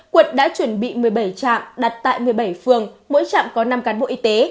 quận đã chuẩn bị một mươi bảy trạm đặt tại một mươi bảy phường mỗi trạm có năm cán bộ y tế